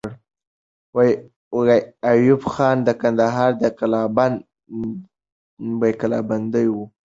ایوب خان کندهار قلابندوي.